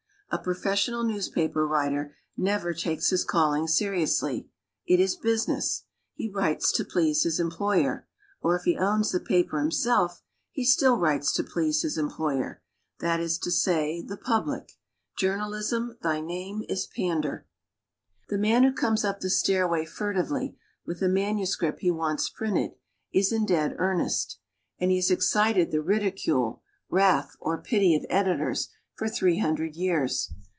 A professional newspaper writer never takes his calling seriously it is business. He writes to please his employer, or if he owns the paper himself, he still writes to please his employer, that is to say, the public. Journalism, thy name is pander! The man who comes up the stairway furtively, with a manuscript he wants printed, is in dead earnest; and he has excited the ridicule, wrath or pity of editors for three hundred years.